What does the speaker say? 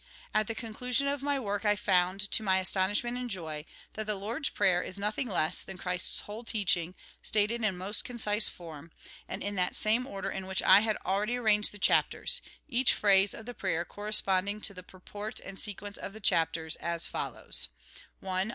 At the conclusion of my work I found, to my astonishment and joy, that the Lord's Prayer is noticing less than Christ's whole teaching, stated in most concise form, and in that same order in which I had already arranged the chapters, each phrase of the prayer corresponding to the purport and sequence of the chapters, as follows :— 1.